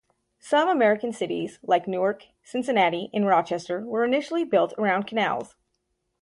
Some American cities, like Newark, Cincinnati and Rochester, were initially built around canals.